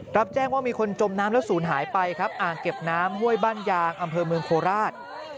รับแจ้งว่ามีคนจมน้ำแล้วศูนย์หายไปครับอ่างเก็บน้ำห้วยบ้านยางอำเภอเมืองโคราช